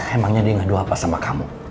emangnya dia ngadu apa sama kamu